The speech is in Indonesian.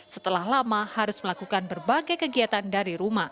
setelah lama harus melakukan berbagai kegiatan dari rumah